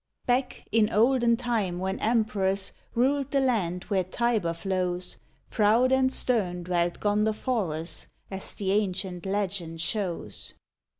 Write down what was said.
Back, in olden time when emperors Ruled the land where Tiber flows, Proud and stern dwelt Gondoforus, As the ancient legend shows.